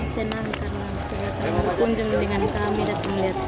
senang karena sudah terlalu kunjungi dengan kami dan melihat kami